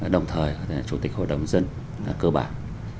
đồng thời là chủ tịch hội đồng dân cơ bản